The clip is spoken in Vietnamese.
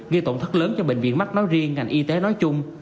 gây tổn thất lớn cho bệnh viện mắt nói riêng ngành y tế nói chung